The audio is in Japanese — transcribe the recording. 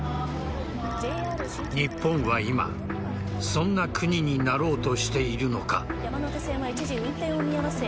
日本は今そんな国になろうとしているのか。